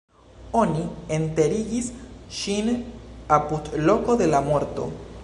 Oni enterigis ŝin apud loko de la morto.